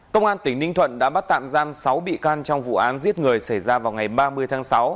công an tỉnh ninh thuận đã bắt tạm giam sáu bị can trong vụ án giết người xảy ra vào ngày ba mươi tháng sáu